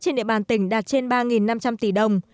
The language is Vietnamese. trên địa bàn tỉnh đạt trên ba năm trăm linh tỷ đồng